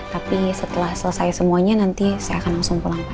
tapi setelah selesai semuanya nanti saya akan langsung pulang